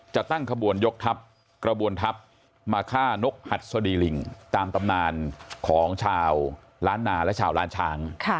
จะตั้งขบวนยกทัพกระบวนทัพมาฆ่านกหัดสดีลิงตามตำนานของชาวล้านนาและชาวล้านช้าง